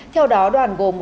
theo đó đoàn gồm một bốn